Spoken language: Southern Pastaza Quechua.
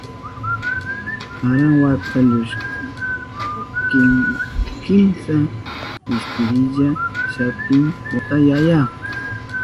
Karan wata llukshin kimsa istirilla, shutin wata yaya.